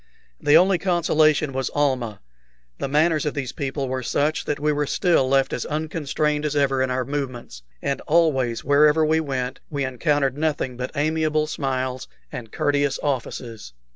The only consolation was Almah. The manners of these people were such that we were still left as unconstrained as ever in our movements, and always, wherever we went, we encountered nothing but amiable smiles and courteous offices.